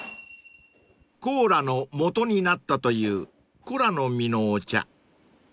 ［コーラのもとになったというコラの実のお茶］